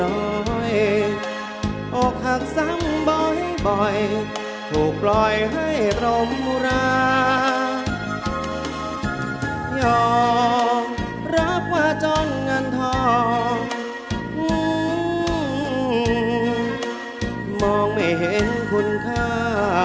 ว่าจนกันทองมองไม่เห็นคุณค่า